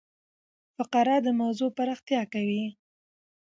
فقره د موضوع پراختیا کوي.